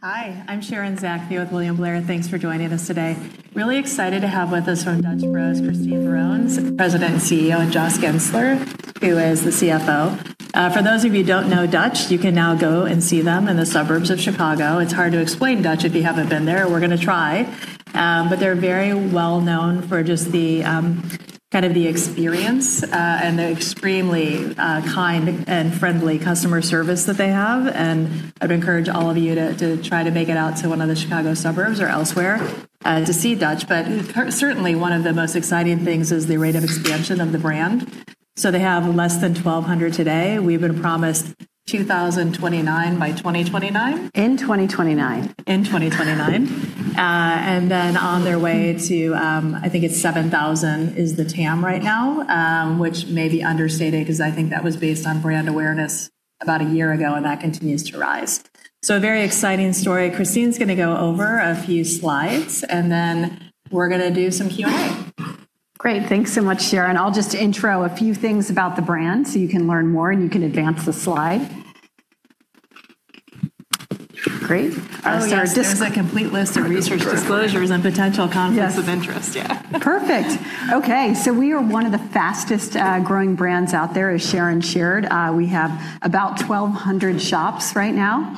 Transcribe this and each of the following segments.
Hi, I'm Sharon Zackfia with William Blair. Thanks for joining us today. Really excited to have with us from Dutch Bros, Christine Barone, President and CEO, and Joshua Guenser, who is the CFO. For those of you who don't know Dutch, you can now go and see them in the suburbs of Chicago. It's hard to explain Dutch if you haven't been there. We're going to try. They're very well known for just the experience and the extremely kind and friendly customer service that they have. I'd encourage all of you to try to make it out to one of the Chicago suburbs or elsewhere to see Dutch. Certainly, one of the most exciting things is the rate of expansion of the brand. They have less than 1,200 today. We've been promised 2,029 by 2029. In 2029. In 2029. On their way to, I think it's 7,000 is the TAM right now, which may be understated because I think that was based on brand awareness about a year ago, and that continues to rise. A very exciting story. Christine's going to go over a few slides, and then we're going to do some Q&A. Great. Thanks so much, Sharon. I'll just intro a few things about the brand so you can learn more. You can advance the slide. Great. Oh, yeah. There's a complete list of research disclosures and potential conflicts of interest. Yeah. Perfect. Okay. We are one of the fastest growing brands out there, as Sharon shared. We have about 1,200 shops right now.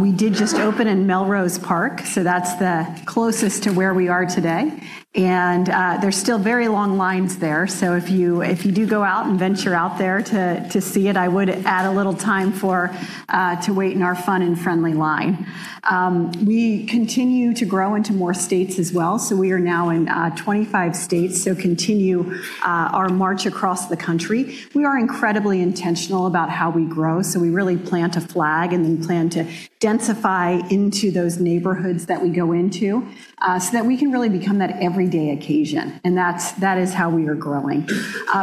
We did just open in Melrose Park, so that's the closest to where we are today. There are still very long lines there. If you do go out and venture out there to see it, I would add a little time to wait in our fun and friendly line. We continue to grow into more states as well. We are now in 25 states, so continue our march across the country. We are incredibly intentional about how we grow. We really plant a flag and then plan to densify into those neighborhoods that we go into so that we can really become that everyday occasion. That is how we are growing.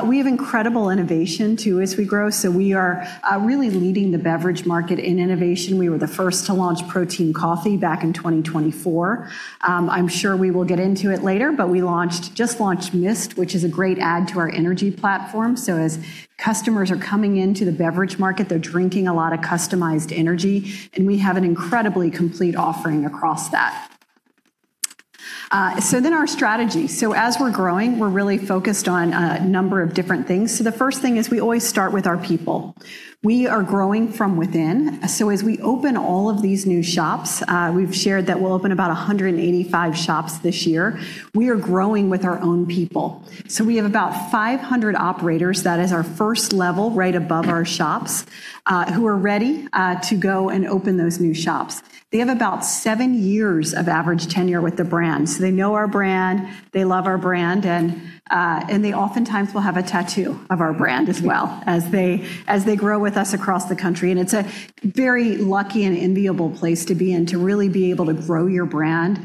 We have incredible innovation, too, as we grow. We are really leading the beverage market in innovation. We were the first to launch protein coffee back in 2024. I'm sure we will get into it later, but we just launched Myst, which is a great add to our energy platform. As customers are coming into the beverage market, they're drinking a lot of customized energy, and we have an incredibly complete offering across that. Our strategy. As we're growing, we're really focused on a number of different things. The first thing is we always start with our people. We are growing from within. As we open all of these new shops, we've shared that we'll open about 185 shops this year. We are growing with our own people. We have about 500 operators, that is our first level right above our shops, who are ready to go and open those new shops. They have about seven years of average tenure with the brand. They know our brand, they love our brand, and they oftentimes will have a tattoo of our brand as well as they grow with us across the country. It's a very lucky and enviable place to be in to really be able to grow your brand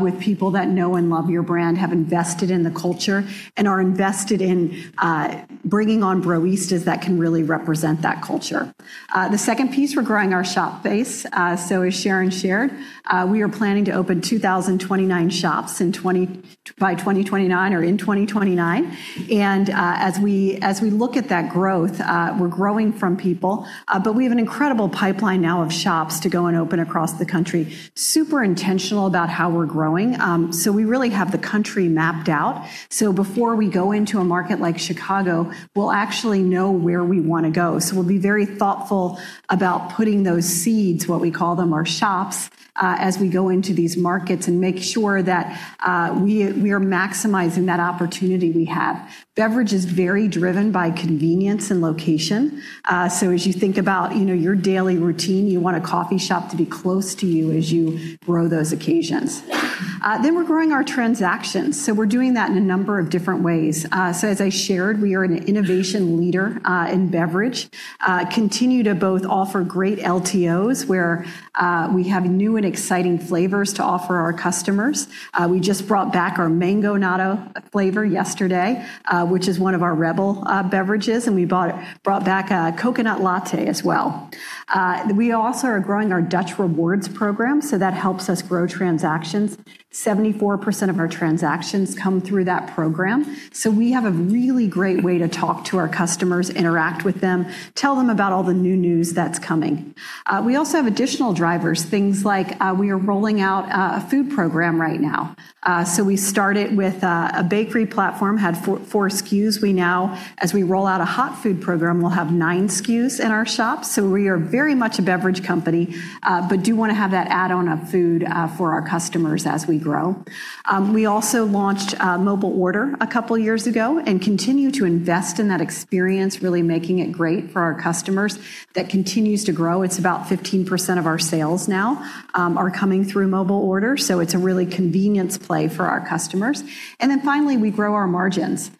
with people that know and love your brand, have invested in the culture, and are invested in bringing on Broistas that can really represent that culture. The second piece, we're growing our shop base. As Sharon Zackfia shared, we are planning to open 2,029 shops by 2029 or in 2029. As we look at that growth, we're growing from people. We have an incredible pipeline now of shops to go and open across the country. Super intentional about how we're growing. We really have the country mapped out. Before we go into a market like Chicago, we'll actually know where we want to go. We'll be very thoughtful about putting those seeds, what we call them, our shops, as we go into these markets and make sure that we are maximizing that opportunity we have. Beverage is very driven by convenience and location. As you think about your daily routine, you want a coffee shop to be close to you as you grow those occasions. We're growing our transactions. We're doing that in a number of different ways. As I shared, we are an innovation leader in beverage. Continue to both offer great LTOs, where we have new and exciting flavors to offer our customers. We just brought back our Mangonada flavor yesterday, which is one of our Rebel beverages, and we brought back a Coconut Latte as well. We also are growing our Dutch Rewards program, so that helps us grow transactions. 74% of our transactions come through that program. We have a really great way to talk to our customers, interact with them, tell them about all the new news that's coming. We also have additional drivers, things like we are rolling out a food program right now. We started with a bakery platform, had four SKUs. We now, as we roll out a hot food program, will have nine SKUs in our shops. We are very much a beverage company but do want to have that add-on of food for our customers as we grow. We also launched Order Ahead a couple of years ago and continue to invest in that experience, really making it great for our customers. That continues to grow. It's about 15% of our sales now are coming through Order Ahead. It's a real convenience play for our customers. Finally, we grow our margins.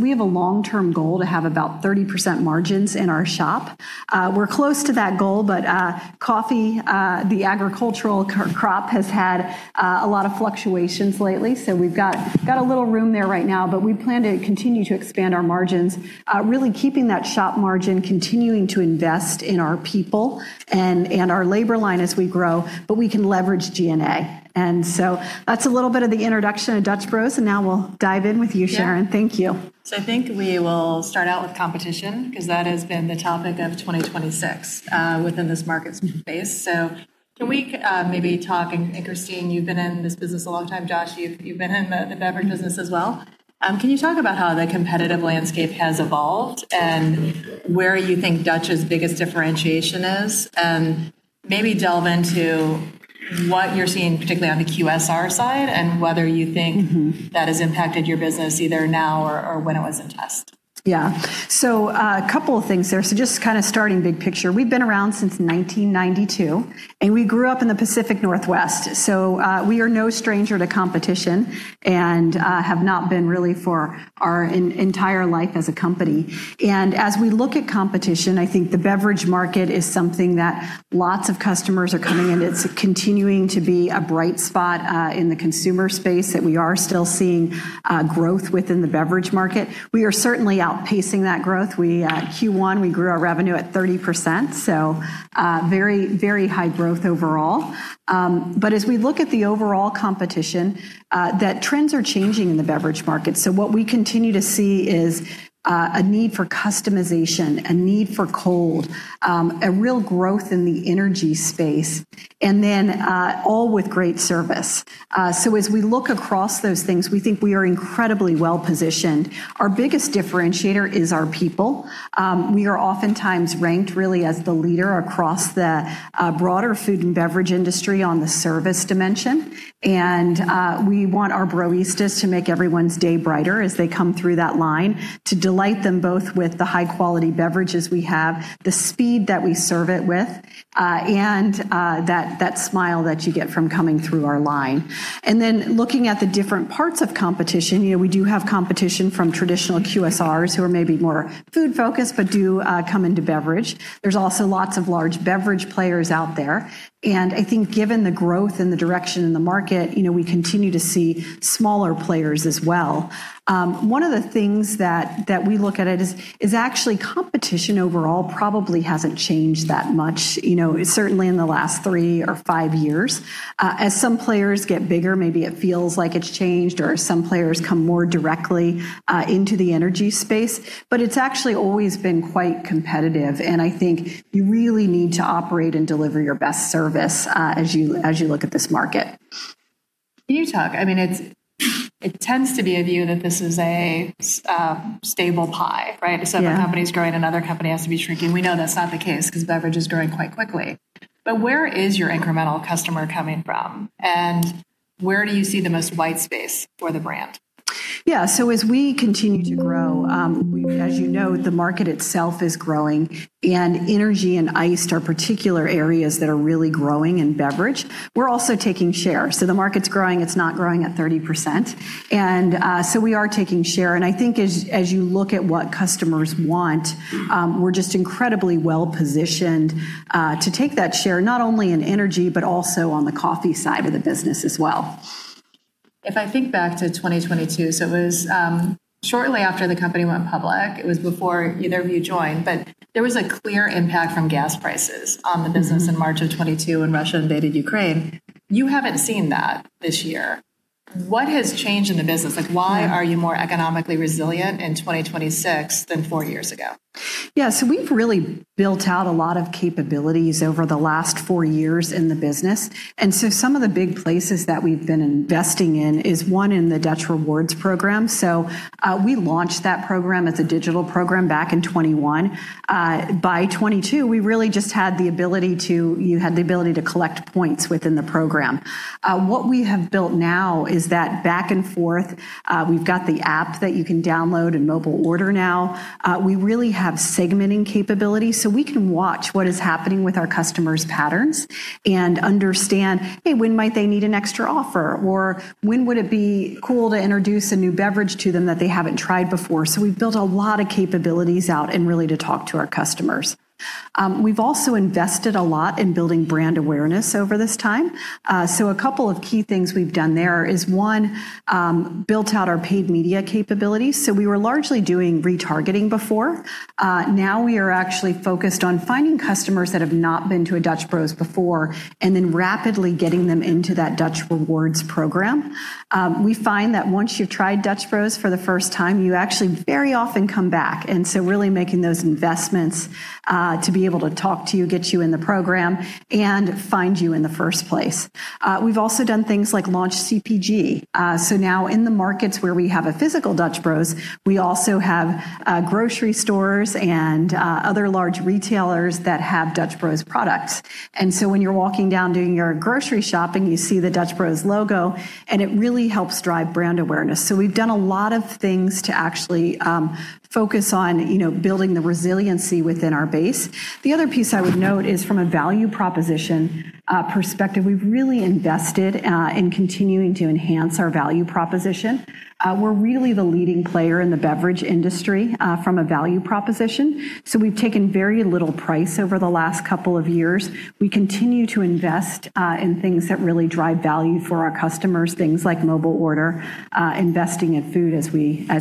We have a long-term goal to have about 30% margins in our shop. We're close to that goal, but coffee, the agricultural crop, has had a lot of fluctuations lately. We've got a little room there right now, but we plan to continue to expand our margins, really keeping that shop margin, continuing to invest in our people and our labor line as we grow, but we can leverage G&A. That's a little bit of the introduction of Dutch Bros, and now we'll dive in with you, Sharon Zackfia. Thank you. I think we will start out with competition because that has been the topic of 2026 within this market space. Can we maybe talk? And Christine Barone, you've been in this business a long time. Joshua Guenser, you've been in the beverage business as well. Can you talk about how the competitive landscape has evolved and where you think Dutch's biggest differentiation is? And maybe delve into what you're seeing, particularly on the QSR side, and whether you think that has impacted your business either now or when it was in test. Yeah. A couple of things there. Just starting big picture, we've been around since 1992, and we grew up in the Pacific Northwest. We are no stranger to competition and have not been really for our entire life as a company. As we look at competition, I think the beverage market is something that lots of customers are coming in. It's continuing to be a bright spot in the consumer space that we are still seeing growth within the beverage market. We are certainly outpacing that growth. Q1, we grew our revenue at 30%, very high growth overall. As we look at the overall competition, that trends are changing in the beverage market. What we continue to see is a need for customization, a need for cold, a real growth in the energy space, and then all with great service. As we look across those things, we think we are incredibly well-positioned. Our biggest differentiator is our people. We are oftentimes ranked really as the leader across the broader food and beverage industry on the service dimension. We want our Broistas to make everyone's day brighter as they come through that line, to delight them both with the high-quality beverages we have, the speed that we serve it with, and that smile that you get from coming through our line. Looking at the different parts of competition, we do have competition from traditional QSRs who are maybe more food-focused but do come into beverage. There's also lots of large beverage players out there. I think given the growth and the direction in the market; we continue to see smaller players as well. One of the things that we look at it is actually competition overall probably hasn't changed that much, certainly in the last three or five years. As some players get bigger, maybe it feels like it's changed, or some players come more directly into the energy space. It's actually always been quite competitive, and I think you really need to operate and deliver your best service as you look at this market. Can you talk, it tends to be a view that this is a stable pie, right? Yeah. If some company's growing, another company has to be shrinking. We know that's not the case because beverage is growing quite quickly. Where is your incremental customer coming from? Where do you see the whitest space for the brand? Yeah. As we continue to grow, as you know, the market itself is growing, and energy and iced are particular areas that are really growing in beverage. We're also taking share. The market's growing, it's not growing at 30%. We are taking share. I think as you look at what customers want, we're just incredibly well-positioned to take that share, not only in energy, but also on the coffee side of the business as well. If I think back to 2022, so it was shortly after the company went public, it was before either of you joined, but there was a clear impact from gas prices on the business in March of 2022 when Russia invaded Ukraine. You haven't seen that this year. What has changed in the business? Why are you more economically resilient in 2026 than four years ago? Yeah. We've really built out a lot of capabilities over the last four years in the business. Some of the big places that we've been investing in is, one, in the Dutch Rewards program. We launched that program as a digital program back in 2021. By 2022, you had the ability to collect points within the program. What we have built now is that back and forth. We've got the app that you can download and Order Ahead now. We really have segmenting capabilities, so we can watch what is happening with our customers' patterns and understand, hey, when might they need an extra offer, or when would it be cool to introduce a new beverage to them that they haven't tried before? We've built a lot of capabilities out and really to talk to our customers. We've also invested a lot in building brand awareness over this time. A couple of key things we've done there is, one, built out our paid media capabilities. We were largely doing retargeting before. Now we are actually focused on finding customers that have not been to a Dutch Bros before and then rapidly getting them into that Dutch Rewards program. We find that once you've tried Dutch Bros for the first time, you actually very often come back. Really making those investments, to be able to talk to you, get you in the program, and find you in the first place. We've also done things like launch CPG. Now in the markets where we have a physical Dutch Bros, we also have grocery stores and other large retailers that have Dutch Bros products. When you're walking down doing your grocery shopping, you see the Dutch Bros logo, and it really helps drive brand awareness. We've done a lot of things to actually focus on building the resiliency within our base. The other piece I would note is from a value proposition perspective. We've really invested in continuing to enhance our value proposition. We're really the leading player in the beverage industry from a value proposition. We've taken very little price over the last couple of years. We continue to invest in things that really drive value for our customers, things like Order Ahead, investing in food as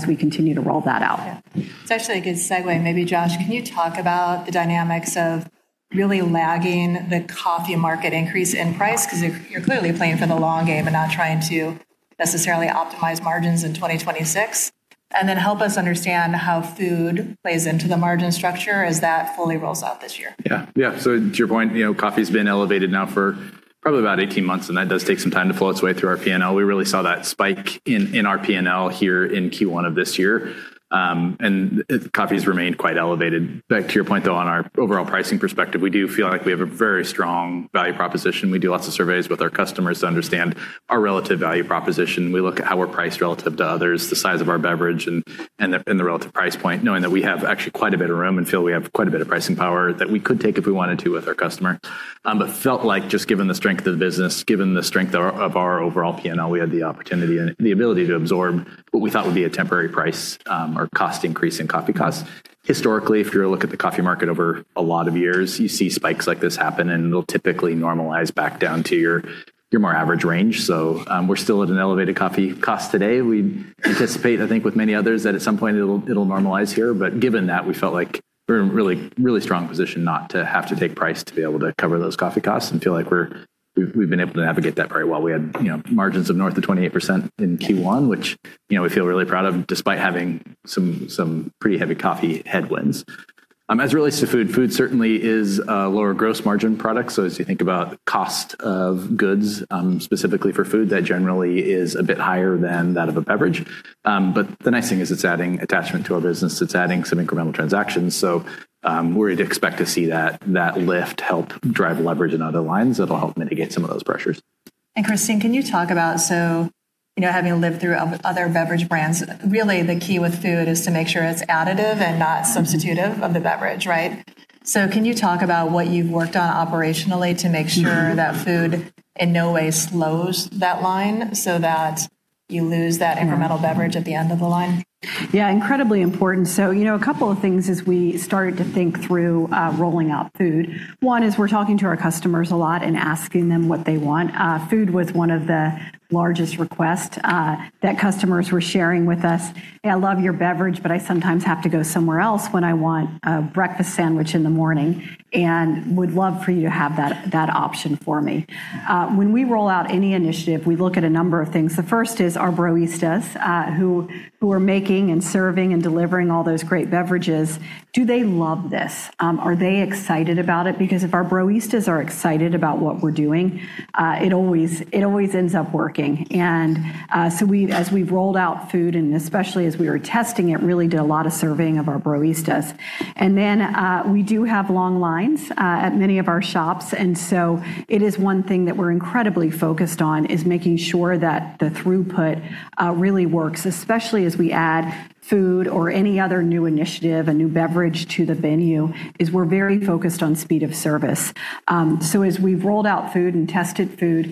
we continue to roll that out. Yeah. It's actually a good segue. Maybe, Josh, can you talk about the dynamics of really lagging the coffee market increase in price? You're clearly playing for the long game and not trying to necessarily optimize margins in 2026.Help us understand how food plays into the margin structure as that fully rolls out this year. Yeah. To your point, coffee's been elevated now for probably about 18 months, and that does take some time to flow its way through our P&L. We really saw that spike in our P&L here in Q1 of this year. Coffees remained quite elevated. Back to your point, though, on our overall pricing perspective, we do feel like we have a very strong value proposition. We do lots of surveys with our customers to understand our relative value proposition. We look at how we're priced relative to others, the size of our beverage, and the relative price point, knowing that we have actually quite a bit of room and feel we have quite a bit of pricing power that we could take if we wanted to with our customer. Felt like just given the strength of the business, given the strength of our overall P&L, we had the opportunity and the ability to absorb what we thought would be a temporary price or cost increase in coffee costs. Historically, if you were to look at the coffee market over a lot of years, you see spikes like this happen, and it'll typically normalize back down to your more average range. We're still at an elevated coffee cost today. We anticipate, I think with many others, that at some point it'll normalize here, but given that, we felt like we're in a really strong position not to have to take price to be able to cover those coffee costs and feel like we've been able to navigate that very well. We had margins of north of 28% in Q1, which we feel really proud of, despite having some pretty heavy coffee headwinds. As it relates to food certainly is a lower gross margin product. As you think about cost of goods, specifically for food, that generally is a bit higher than that of a beverage. The nice thing is it's adding attachment to our business. It's adding some incremental transactions. We'd expect to see that lift help drive leverage in other lines that'll help mitigate some of those pressures. Christine, can you talk about, so having lived through other beverage brands, really the key with food is to make sure it's additive and not substitutive of the beverage, right? Can you talk about what you've worked on operationally to make sure that food in no way slows that line so that you lose that incremental beverage at the end of the line? Yeah, incredibly important. A couple of things as we started to think through rolling out food. One is we're talking to our customers a lot and asking them what they want. Food was one of the largest requests that customers were sharing with us. "Hey, I love your beverage, but I sometimes have to go somewhere else when I want a breakfast sandwich in the morning and would love for you to have that option for me." When we roll out any initiative, we look at a number of things. The first is our Broistas, who are making and serving and delivering all those great beverages. Do they love this? Are they excited about it? If our Broistas are excited about what we're doing, it always ends up working. As we've rolled out food, and especially as we were testing it, really did a lot of surveying of our Broistas. We do have long lines at many of our shops. It is one thing that we're incredibly focused on is making sure that the throughput really works, especially as we add food or any other new initiative, a new beverage to the venue, is we're very focused on speed of service. As we've rolled out food and tested food,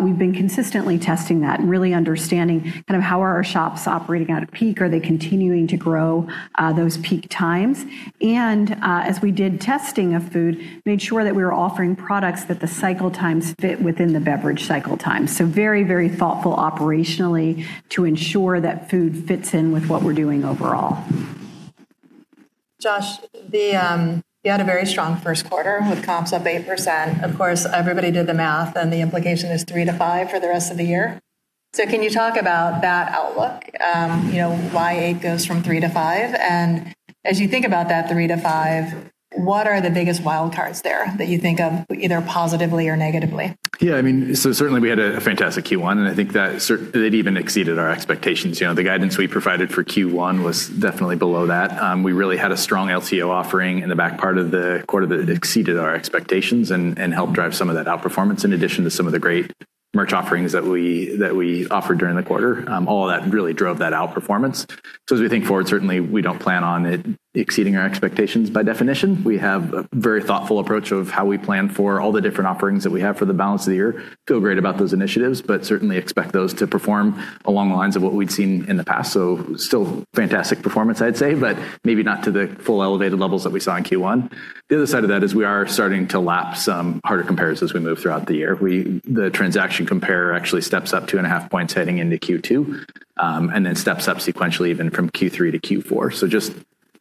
we've been consistently testing that and really understanding kind of how are our shops operating at a peak. Are they continuing to grow those peak times? As we did testing of food, made sure that we were offering products that the cycle times fit within the beverage cycle times. very thoughtful operationally to ensure that food fits in with what we're doing overall. Josh, you had a very strong Q1 with comps up 8%. Of course, everybody did the math and the implication is three to five for the rest of the year. Can you talk about that outlook? Why eight goes from three to five, as you think about that three to five, what are the biggest wild cards there that you think of either positively or negatively? Yeah, certainly we had a fantastic Q1, and I think that it even exceeded our expectations. The guidance we provided for Q1 was definitely below that. We really had a strong LTO offering in the back part of the quarter that exceeded our expectations and helped drive some of that outperformance in addition to some of the great merch offerings that we offered during the quarter. All of that really drove that outperformance. As we think forward, certainly, we don't plan on it exceeding our expectations by definition. We have a very thoughtful approach of how we plan for all the different offerings that we have for the balance of the year. Feel great about those initiatives, certainly expect those to perform along the lines of what we'd seen in the past. Still fantastic performance, I'd say, but maybe not to the full elevated levels that we saw in Q1. The other side of that is we are starting to lap some harder comparisons as we move throughout the year. The transaction compare actually steps up two and a half points heading into Q2, steps up sequentially even from Q3 to Q4. Just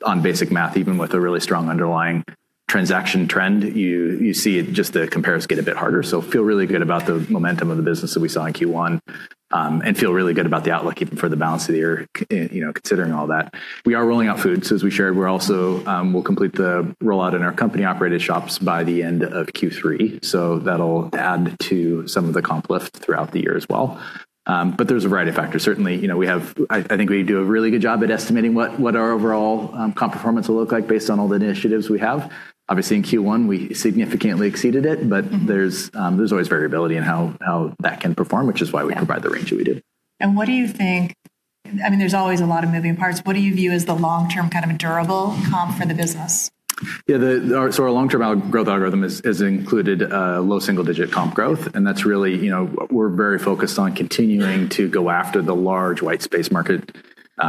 on basic math, even with a really strong underlying transaction trend, you see just the compares get a bit harder. Feel really good about the momentum of the business that we saw in Q1, and feel really good about the outlook even for the balance of the year, considering all that. We are rolling out food, so as we shared, we'll complete the rollout in our company-operated shops by the end of Q3, so that'll add to some of the comp lift throughout the year as well. There's a variety of factors. Certainly, I think we do a really good job at estimating what our overall comp performance will look like based on all the initiatives we have. Obviously, in Q1, we significantly exceeded it, but there's always variability in how that can perform, which is why we provide the range that we do. What do you think, there's always a lot of moving parts. What do you view as the long-term kind of a durable comp for the business? Yeah, our long-term growth algorithm has included low single-digit comp growth, and that's really, we're very focused on continuing to go after the large white space market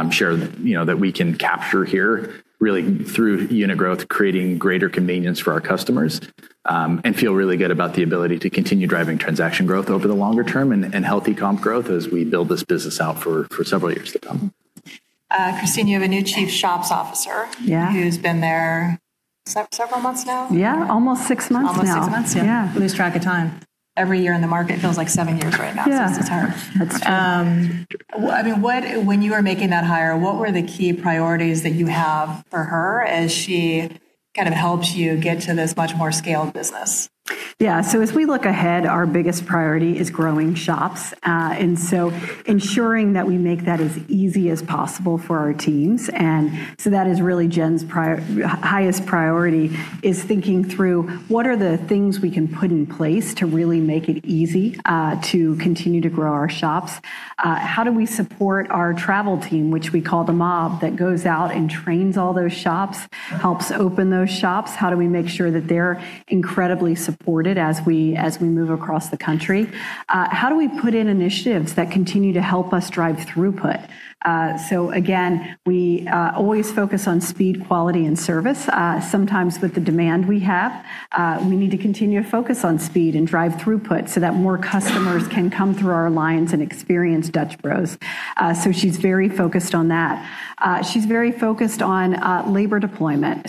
share that we can capture here, really through unit growth, creating greater convenience for our customers, and feel really good about the ability to continue driving transaction growth over the longer term and healthy comp growth as we build this business out for several years to come. Christine, you have a new Chief Shops Officer. Yeah. Who's been there several months now? Yeah, almost six months now. Almost six months, yeah. Yeah. Lose track of time. Every year in the market feels like seven years right now. Yeah. Since it's hard. That's true. When you were making that hire, what were the key priorities that you have for her as she kind of helps you get to this much more scaled business? Yeah. As we look ahead, our biggest priority is growing shops. Ensuring that we make that as easy as possible for our teams. That is really Jen's highest priority is thinking through what are the things we can put in place to really make it easy to continue to grow our shops? How do we support our travel team, which we call the Mob, that goes out and trains all those shops, helps open those shops? How do we make sure that they're incredibly supported as we move across the country? How do we put in initiatives that continue to help us drive throughput? Again, we always focus on speed, quality, and service. Sometimes with the demand we have, we need to continue to focus on speed and drive throughput so that more customers can come through our lines and experience Dutch Bros. She's very focused on that. She's very focused on labor deployment,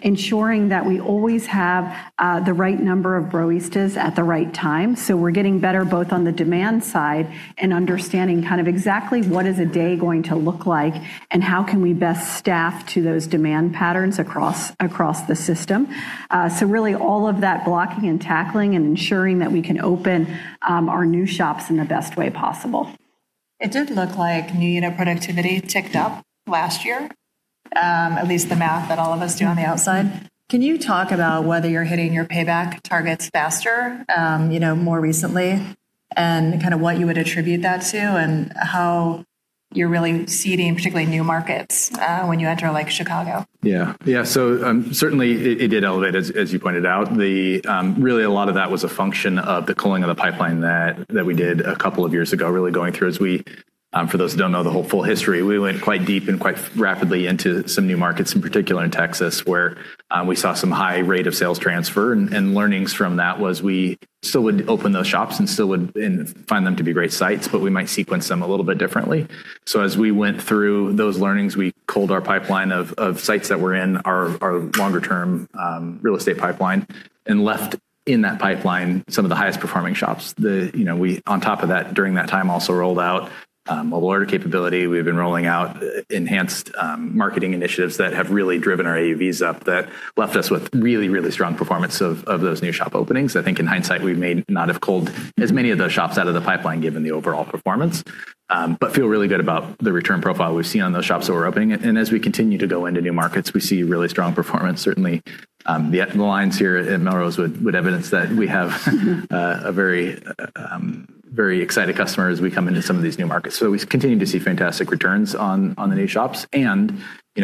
ensuring that we always have the right number of Broistas at the right time. We're getting better both on the demand side and understanding kind of exactly what is a day going to look like and how can we best staff to those demand patterns across the system. Really all of that blocking and tackling and ensuring that we can open our new shops in the best way possible. It did look like new unit productivity ticked up last year, at least the math that all of us do on the outside. Can you talk about whether you're hitting your payback targets faster, more recently, and kind of what you would attribute that to and how you're really seeding particularly new markets when you enter Chicago? Yeah. Certainly it did elevate, as you pointed out. Really a lot of that was a function of the culling of the pipeline that we did a couple of years ago, really going through as we, for those who don't know the whole full history, we went quite deep and quite rapidly into some new markets, in particular in Texas, where we saw some high rate of sales transfer and learnings from that was we still would open those shops and still would find them to be great sites, but we might sequence them a little bit differently. As we went through those learnings, we culled our pipeline of sites that were in our longer-term real estate pipeline and left in that pipeline some of the highest performing shops. On top of that, during that time also rolled out Order Ahead capability. We've been rolling out enhanced marketing initiatives that have really driven our AUVs up that left us with really, really strong performance of those new shop openings. I think in hindsight, we may not have culled as many of those shops out of the pipeline given the overall performance. We feel really good about the return profile we've seen on those shops that we're opening. As we continue to go into new markets, we see really strong performance. Certainly, the lines here at Melrose would evidence that we have a very excited customer as we come into some of these new markets. We continue to see fantastic returns on the new shops.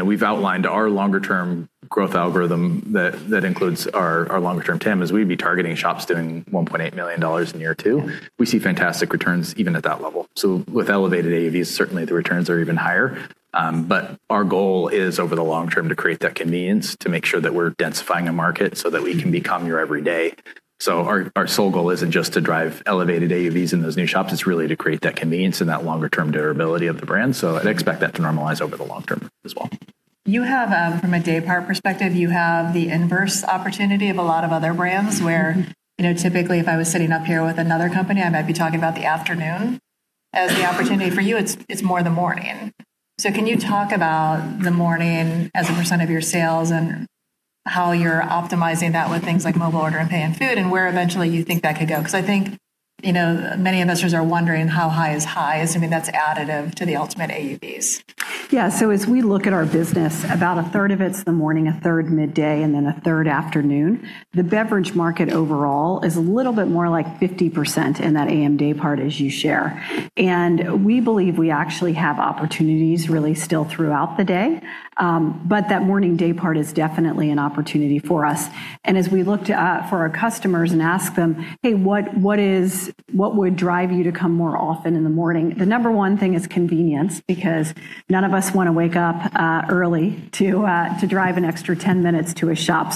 We've outlined our longer-term growth algorithm that includes our longer-term TAM as we'd be targeting shops doing $1.8 million in year two. We see fantastic returns even at that level. With elevated AUVs, certainly the returns are even higher. Our goal is over the long term to create that convenience, to make sure that we're densifying a market so that we can become your every day. Our sole goal isn't just to drive elevated AUVs in those new shops. It's really to create that convenience and that longer-term durability of the brand. I'd expect that to normalize over the long term as well. From a day part perspective, you have the inverse opportunity of a lot of other brands where typically if I was sitting up here with another company, I might be talking about the afternoon as the opportunity. For you, it's more the morning. Can you talk about the morning as a % of your sales and how you're optimizing that with things like Order Ahead and pay and food and where eventually you think that could go? I think many investors are wondering how high is high, assuming that's additive to the ultimate AUVs. As we look at our business, about a third of it's the morning, a third midday, and then a third afternoon. The beverage market overall is a little bit more like 50% in that AM day part as you share. We believe we actually have opportunities really still throughout the day. That morning day part is definitely an opportunity for us. As we looked for our customers and asked them, "Hey, what would drive you to come more often in the morning?" The number one thing is convenience because none of us want to wake up early to drive an extra 10 minutes to a shop.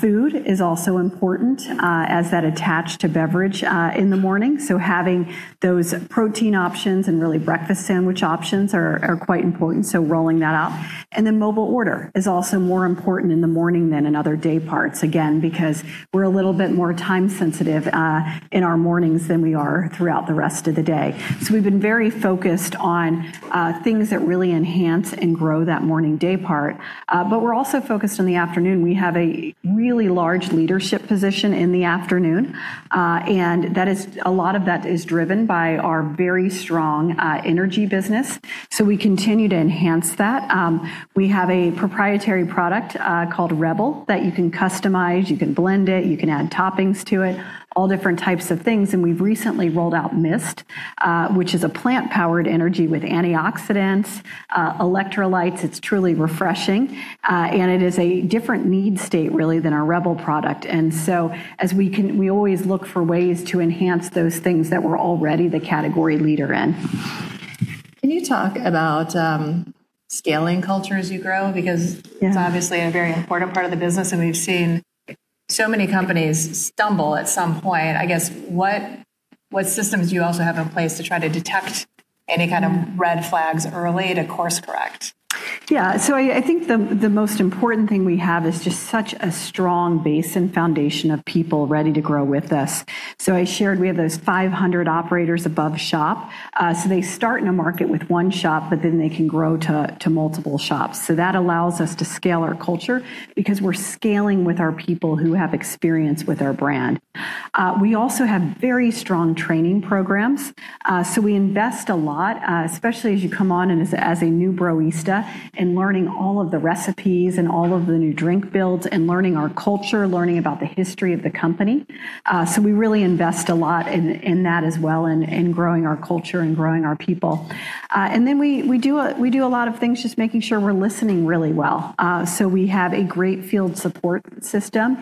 Food is also important as that attach to beverage in the morning. Having those protein options and really breakfast sandwich options are quite important. Rolling that out. Order Ahead is also more important in the morning than in other day parts, again, because we're a little bit more time sensitive in our mornings than we are throughout the rest of the day. We've been very focused on things that really enhance and grow that morning day part. We're also focused on the afternoon. We have a really large leadership position in the afternoon. A lot of that is driven by our very strong energy business. We continue to enhance that. We have a proprietary product called Rebel that you can customize, you can blend it, you can add toppings to it, all different types of things. We've recently rolled out Myst, which is a plant-powered energy with antioxidants, electrolytes. It's truly refreshing. It is a different need state really than our Rebel product. As we always look for ways to enhance those things that we're already the category leader in. Can you talk about scaling culture as you grow? It's obviously a very important part of the business, and we've seen so many companies stumble at some point. I guess what systems do you also have in place to try to detect any kind of red flags early to course-correct? Yeah. I think the most important thing we have is just such a strong base and foundation of people ready to grow with us. I shared we have those 500 operators above shop. They start in a market with one shop, but then they can grow to multiple shops. That allows us to scale our culture because we're scaling with our people who have experience with our brand. We also have very strong training programs. We invest a lot, especially as you come on and as a new Broista, in learning all of the recipes and all of the new drink builds and learning our culture, learning about the history of the company. We really invest a lot in that as well and in growing our culture and growing our people. We do a lot of things just making sure we're listening really well. We have a great field support system.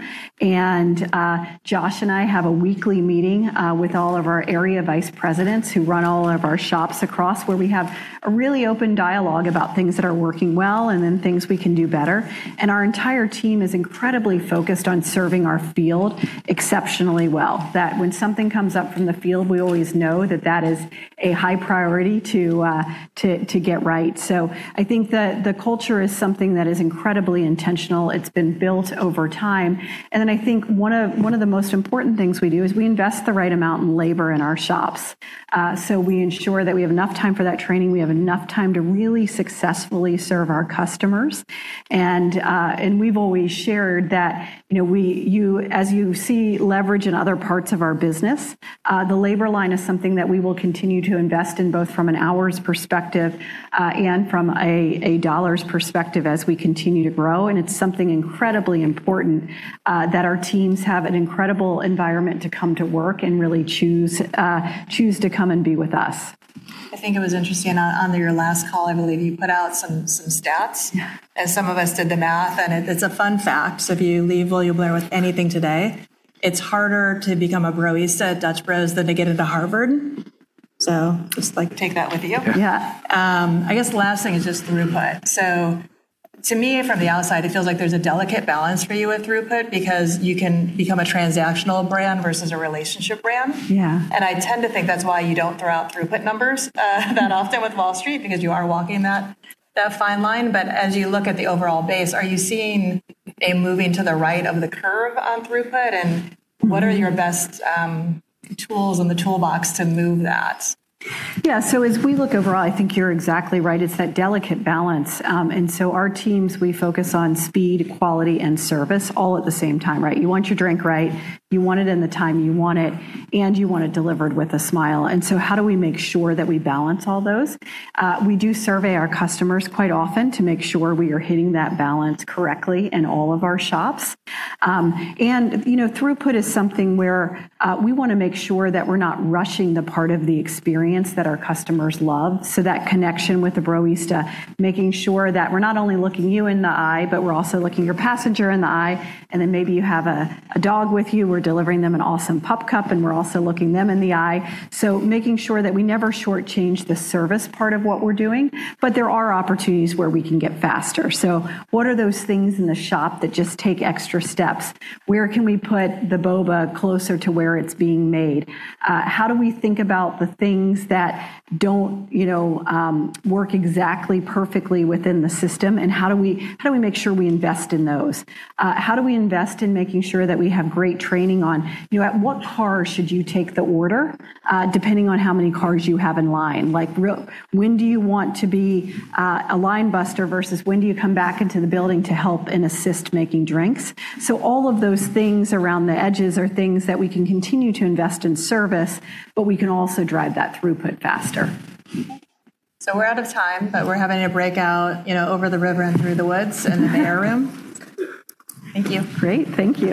Josh and I have a weekly meeting with all of our area vice presidents who run all of our shops across, where we have a really open dialogue about things that are working well and then things we can do better. Our entire team is incredibly focused on serving our field exceptionally well, that when something comes up from the field, we always know that that is a high priority to get right. I think the culture is something that is incredibly intentional. It's been built over time. I think one of the most important things we do is we invest the right amount in labor in our shops. We ensure that we have enough time for that training, we have enough time to really successfully serve our customers. We've always shared that as you see leverage in other parts of our business, the labor line is something that we will continue to invest in, both from an hours perspective and from a dollars perspective as we continue to grow. It's something incredibly important that our teams have an incredible environment to come to work and really choose to come and be with us. I think it was interesting on your last call, I believe you put out some stats. Yeah. Some of us did the math, and it's a fun fact. If you leave William Blair with anything today, it's harder to become a Broista at Dutch Bros than to get into Harvard. Just take that with you. Yeah. I guess the last thing is just throughput. To me, from the outside, it feels like there's a delicate balance for you with throughput because you can become a transactional brand versus a relationship brand. Yeah. I tend to think that's why you don't throw out throughput numbers that often with Wall Street, because you are walking that fine line. As you look at the overall base, are you seeing a moving to the right of the curve on throughput? What are your best tools in the toolbox to move that? Yeah. As we look overall, I think you're exactly right. It's that delicate balance. Our teams, we focus on speed, quality, and service all at the same time, right? You want your drink right, you want it in the time you want it, and you want it delivered with a smile. How do we make sure that we balance all those? We do survey our customers quite often to make sure we are hitting that balance correctly in all of our shops. Throughput is something where we want to make sure that we're not rushing the part of the experience that our customers love. That connection with the Broista, making sure that we're not only looking you in the eye, but we're also looking your passenger in the eye, and then maybe you have a dog with you, we're delivering them an awesome Pup Cup, and we're also looking them in the eye. Making sure that we never shortchange the service part of what we're doing, but there are opportunities where we can get faster. What are those things in the shop that just take extra steps? Where can we put the boba closer to where it's being made? How do we think about the things that don't work exactly perfectly within the system, and how do we make sure we invest in those? How do we invest in making sure that we have great training on at what car should you take the order, depending on how many cars you have in line? When do you want to be a line buster versus when do you come back into the building to help and assist making drinks? All of those things around the edges are things that we can continue to invest in service, but we can also drive that throughput faster. We're out of time, but we're having a breakout over the river and through the woods in the Mayer Room. Thank you. Great. Thank you.